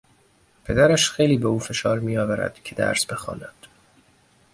پدرش خیلی به او فشار میآورد که درس بخواند.